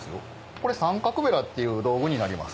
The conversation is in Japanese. これ三角ベラっていう道具になります。